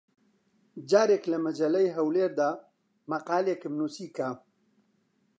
جارێک لە مەجەللەی هەولێر دا مەقالێکم نووسی کە: